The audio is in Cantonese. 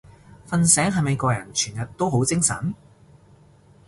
瞓醒係咪個人全日都好精神？